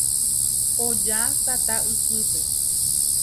Oja tata ypýpe.